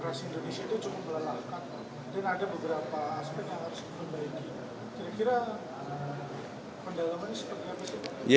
kira kira pendalamannya seperti apa sih